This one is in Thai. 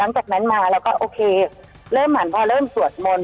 หลังจากนั้นมาเราก็โอเคเริ่มเหมือนพอเริ่มสวดมนต์